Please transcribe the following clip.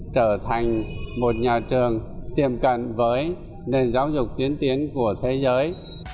trở thành một nhà trường tiềm cận với nền giáo dục tiến tiến của thế giới